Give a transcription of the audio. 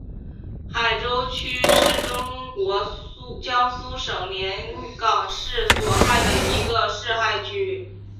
海州区是中国江苏省连云港市所辖的一个市辖区。